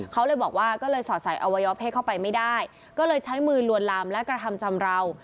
เขาเลยบอกว่าก็เลยสอดใส่อวัยวะเพศเข้าไปไม่ได้ก็เลยใช้มือลวนลามและกระทำชำราว